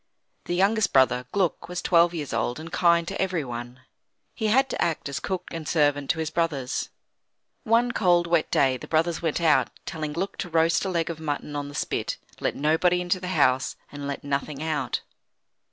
The youngest brother, Gluck, was twelve years old, and kind to everyone. He had to act as cook and servant to his brothers. One cold, wet day the brothers went out, telling Gluck to roast a leg of mutton on the spit, let nobody into the house, and let nothing out.